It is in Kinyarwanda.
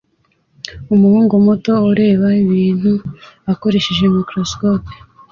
Umuhungu muto ureba ibintu akoresheje microscope